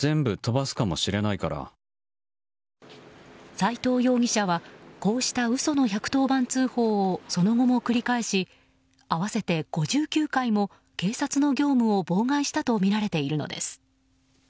斉藤容疑者はこうした嘘の１１０番通報をその後も繰り返し合わせて５９回も警察の業務を妨害したとみられているのです。